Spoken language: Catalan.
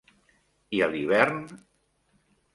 I a l'hivern?